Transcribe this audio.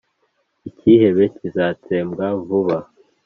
icyihebe kizatsembwa vuba